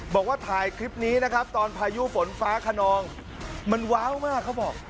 บอกว่าถ่ายคลิปนี้นะครับตอนพายุฝนฟ้าขนองมันว้าวมากเขาบอก